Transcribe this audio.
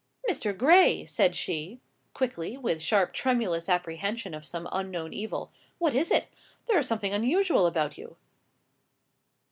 "Mr. Gray!" said she, quickly, with sharp, tremulous apprehension of some unknown evil. "What is it? There is something unusual about you."